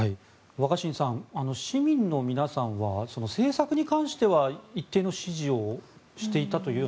若新さん市民の皆さんは政策に関しては一定の支持をしていたという。